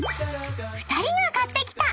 ［２人が買ってきた］